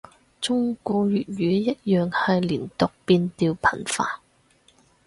中古粵語一樣係連讀變調頻繁